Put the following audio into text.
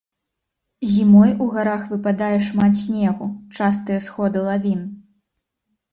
Зімой у гарах выпадае шмат снегу, частыя сходы лавін.